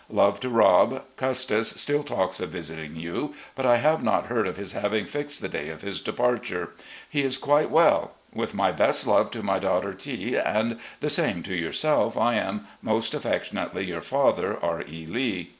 Love to Rob. Custis still talks of visiting you, but I have not heard of his having fixed the day of his departure. He is quite 320 RECOLLECTIONS OF GENERAL LEE well. With my best love to my daughter T and the same to yourself, I am, "Most affectionately your father, "R. E. Lee."